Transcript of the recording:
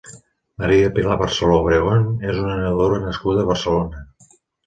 Maria Pilar Barceló Obregón és una nedadora nascuda a Barcelona.